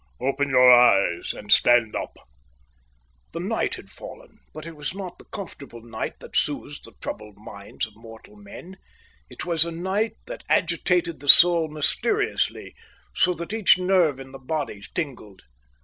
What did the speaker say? "Open your eyes and stand up." The night had fallen; but it was not the comfortable night that soothes the troubled minds of mortal men; it was a night that agitated the soul mysteriously so that each nerve in the body tingled.